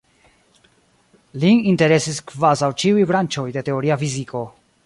Lin interesis kvazaŭ ĉiuj branĉoj de teoria fiziko.